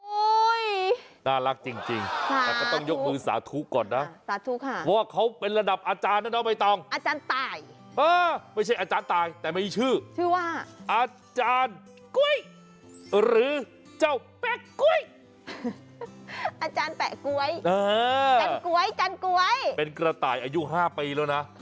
น่ารักจริงแต่ก็ต้องยกมือสาธุก่อนนะสาธุค่ะเพราะว่าเขาเป็นระดับอาจารย์นะน้องใบตองอาจารย์ตายเออไม่ใช่อาจารย์ตายแต่มีชื่อชื่อว่าอาจารย์กุ้ยหรือเจ้าแป๊ะกุ้ยอาจารย์แปะก๊วยจันก๊วยจันก๊วยเป็นกระต่ายอายุ๕ปีแล้วนะ